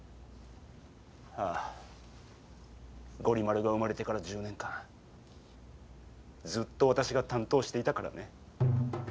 ゴリ丸が生まれてから１０年間ずっと私が担当していたからね。